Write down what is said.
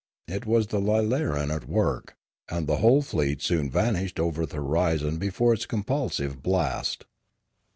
It was the lilaran at work, and the whole fleet soon vanished over the horizon before its compulsive blast.